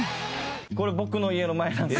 これ僕の家の前なんです。